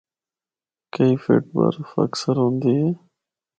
کئی فٹ برف اکثر ہوندی اے۔